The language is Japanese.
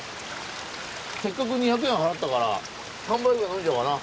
せっかく２００円払ったから３杯ぐらい飲んじゃおうかな。